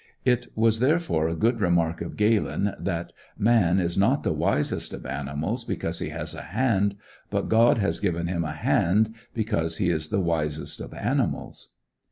It was therefore a good remark of Galen, that "man is not the wisest of animals because he has a hand; but God has given him a hand because he is the wisest of animals."